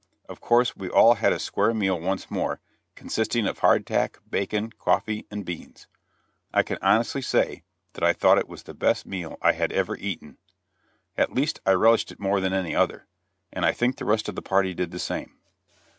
Of course we all had a square meal once more, consisting of hard tack, bacon, coffee and beans. I can honestly say that I thought it was the best meal I had ever eaten; at least I relished it more than any other, and I think the rest of the party did the same.